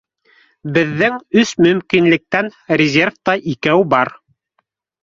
Беҙҙең өс мөмкинлектән резервта икәү бар